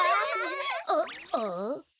おっああ？